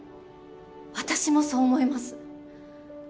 私もそう思います。